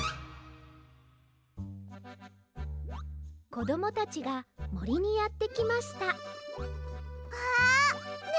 こどもたちがもりにやってきましたあね